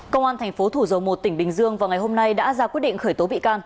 công an thành phố thủ dầu một tỉnh bình dương vào ngày hôm nay đã ra quyết định khởi tố bị can